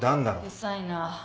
うるさいな。